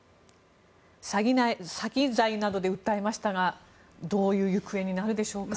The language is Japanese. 詐欺罪などで訴えましたがどういう行方になるでしょうか。